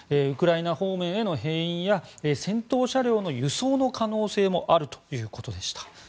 ウクライナ方面への兵員や戦闘車両の輸送の可能性もあるということでした。